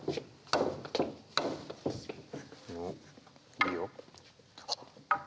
いいよ。